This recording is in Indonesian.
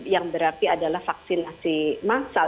yang berarti adalah vaksinasi massal